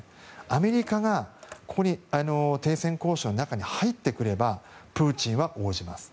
アメリカが停戦交渉の中に入ってくればプーチンは応じます。